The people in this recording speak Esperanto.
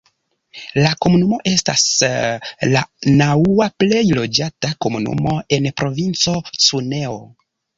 La komunumo estas la naŭa plej loĝata komunumo en provinco Cuneo.